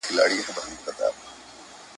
بدمرغي په هغه ورځ ورحواله سي ..